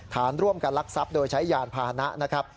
ผ่านร่วมกับลักษณ์ทรัพย์โดยใช้ยานผ่านนะครับ